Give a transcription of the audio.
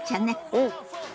うん！